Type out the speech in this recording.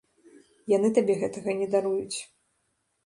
Яны табе гэтага не даруюць.